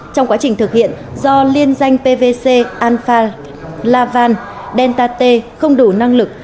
trong quá trình thực hiện do liên danh pvc alphalavan dentate không đủ năng lực